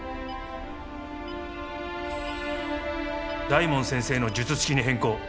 大門先生の術式に変更。